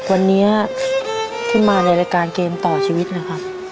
วันนี้ที่มาในรายการเกมต่อชีวิตนะครับ